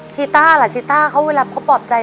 ใช่เขาจะพูดตลอด